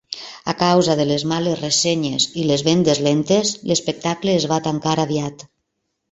A causa de les males ressenyes i les vendes lentes, l'espectacle es va tancar aviat.